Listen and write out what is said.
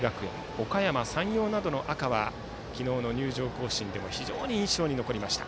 おかやま山陽などの赤は昨日の入場行進でも非常に印象に残りました。